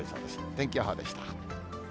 天気予報でした。